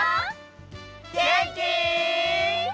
げんき？